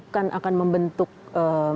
majelis kehormatan itu kan sebenarnya bukan ketua mk